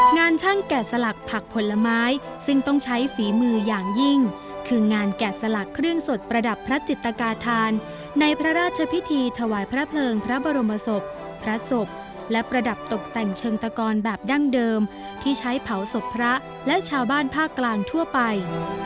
งานช่างแกะสลักผักผลไม้ซึ่งต้องใช้ฝีมืออย่างยิ่งคืองานแกะสลักเครื่องสดประดับพระจิตกาธานในพระราชพิธีถวายพระเพลิงพระบรมศพพระศพและประดับตกแต่งเชิงตะกรแบบดั้งเดิมที่ใช้เผาศพพระและชาวบ้านภาคกลางทั่วไป